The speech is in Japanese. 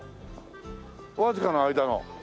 わずかな間の。